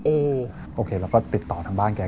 โอเคแล้วก็ติดต่อทางบ้านแก